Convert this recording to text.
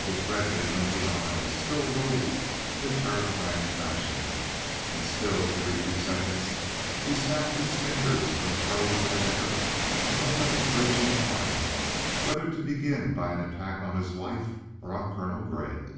His redly glinting eyes still rolled in a terrifying fashion, and still every few seconds he snapped his fingers in the throes of an effort to make up his raging mind whether to begin by an attack on his wife or on Colonel Grey.